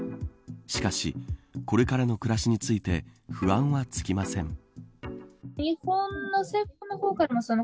しかし、これからの暮らしについて不安はつきません。